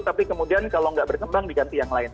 tapi kemudian kalau nggak berkembang diganti yang lain